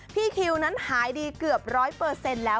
พี่คิวนั้นหายดีเกือบ๑๐๐เปอร์เซ็นต์แล้ว